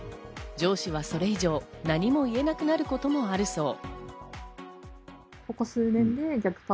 上司はそれ以上、何も言えなくなることもあるそう。